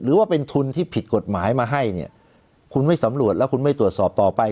หรือว่าเป็นทุนที่ผิดกฎหมายมาให้เนี่ยคุณไม่สำรวจแล้วคุณไม่ตรวจสอบต่อไป